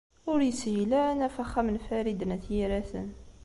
Ur yeshil ara ad naf axxam n Farid n At Yiraten.